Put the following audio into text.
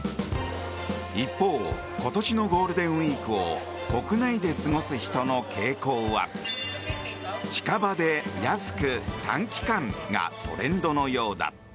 一方今年のゴールデンウィークを国内で過ごす人の傾向は近場で安く短期間がトレンドのようだ。